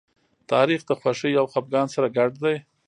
تاریخ د خوښۍ او خپګان سره ګډ دی.